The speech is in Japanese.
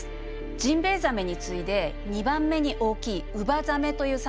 ジンベエザメに次いで２番目に大きいウバザメというサメがいます。